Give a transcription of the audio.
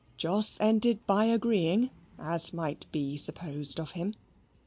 Jos ended by agreeing, as might be supposed of him.